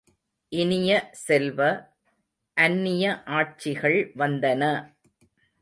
இனிய செல்வ, அந்நிய ஆட்சிகள் வந்தன!